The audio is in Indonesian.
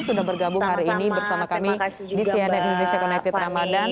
sudah bergabung hari ini bersama kami di cnn indonesia connected ramadhan